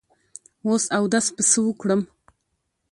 وس اودس په څۀ وکړم